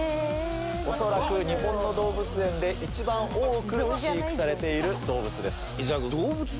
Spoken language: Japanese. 恐らく日本の動物園で一番多く飼育されている動物です。